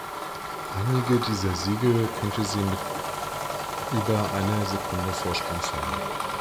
Einige dieser Siege konnte sie mit über einer Sekunde Vorsprung feiern.